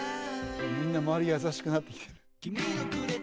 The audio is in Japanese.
みんな周り優しくなってきてる。